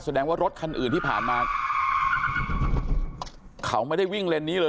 แสดงว่ารถคันอื่นที่ผ่านมาเขาไม่ได้วิ่งเลนนี้เลย